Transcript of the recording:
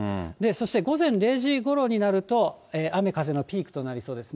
そして午前０時ごろになると、雨風のピークとなりそうです。